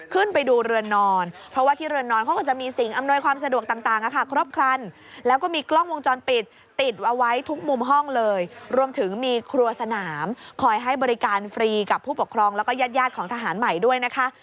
ครัวสนามคอยให้บริการฟรีกับผู้ปกครองแล้วก็ญาติยาดของทหารใหม่ด้วยนะคะ